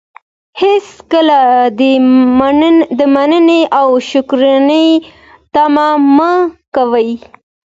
هېڅکله د منني او شکرانې طمعه مه کوئ!